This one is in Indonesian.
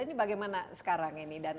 ini bagaimana sekarang ini